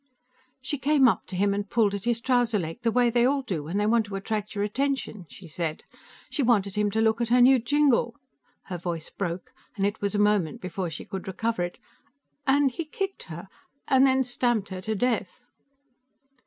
"She came up to him and pulled at his trouser leg, the way they all do when they want to attract your attention," she said. "She wanted him to look at her new jingle." Her voice broke, and it was a moment before she could recover it. "And he kicked her, and then stamped her to death."